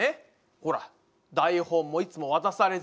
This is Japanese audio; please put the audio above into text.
ほら台本もいつも渡されず。